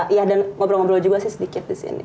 iya dan ngobrol ngobrol juga sih sedikit di sini